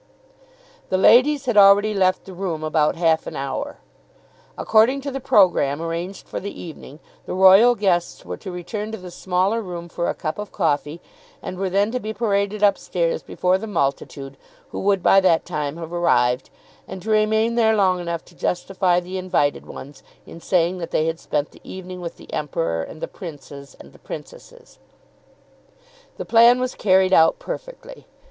The ladies had already left the room about half an hour. According to the programme arranged for the evening, the royal guests were to return to the smaller room for a cup of coffee, and were then to be paraded upstairs before the multitude who would by that time have arrived, and to remain there long enough to justify the invited ones in saying that they had spent the evening with the Emperor and the Princes and the Princesses. The plan was carried out perfectly.